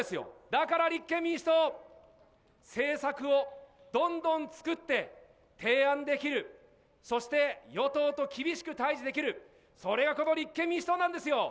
だから立憲民主党、政策をどんどん作って提案できる、そして与党と厳しく対じできる、それがこの立憲民主党なんですよ。